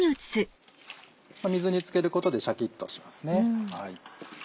水につけることでシャキっとしますね。